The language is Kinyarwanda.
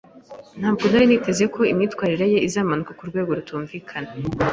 Ntabwo nari niteze ko imyitwarire ye izamanuka kurwego rutumvikana.